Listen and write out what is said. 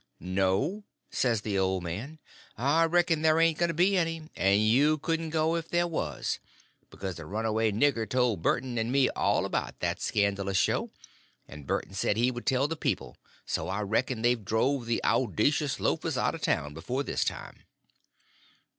"No," says the old man, "I reckon there ain't going to be any; and you couldn't go if there was; because the runaway nigger told Burton and me all about that scandalous show, and Burton said he would tell the people; so I reckon they've drove the owdacious loafers out of town before this time."